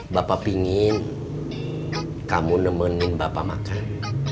bapak pingin kamu nemenin bapak makan